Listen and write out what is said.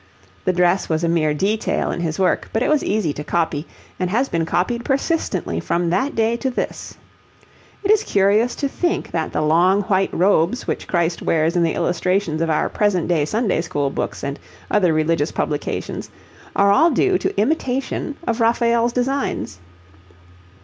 The dress was a mere detail in his work, but it was easy to copy and has been copied persistently from that day to this. It is curious to think that the long white robes, which Christ wears in the illustrations of our present day Sunday School books and other religious publications, are all due to imitation of Raphael's designs.